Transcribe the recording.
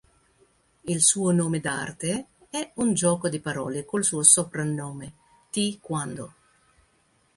Il suo nome d'arte è un gioco di parole col suo soprannome "Ty-Quando".